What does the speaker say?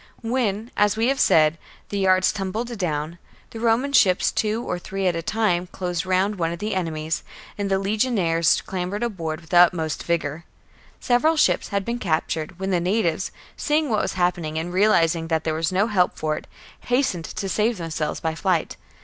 I 5. When, as we have said, the yards tumbled down, the Roman ships, two or three at a time, closed round one of the enemy's ; and the legion aries clambered aboard with the utmost vigour. Several ships had been captured, when the natives, seeing what was happening and realizing that there was no help for it, hastened to save them selves by flight.